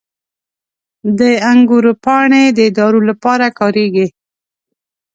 • د انګورو پاڼې د دارو لپاره کارېږي.